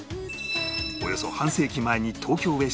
およそ半世紀前に東京へ進出